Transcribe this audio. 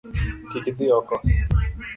Kik idhi oko!